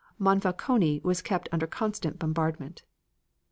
Monfalcone was kept under constant bombardment.